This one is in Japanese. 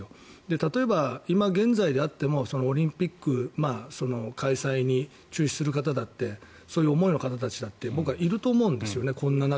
例えば、今現在であってもオリンピック開催に中止するという思いの方たちもいると思うんですよね。